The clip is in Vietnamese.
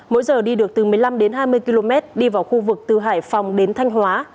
mỗi giờ đi được từ một mươi năm đến hai mươi km đi vào khu vực từ hải phòng đến thanh hóa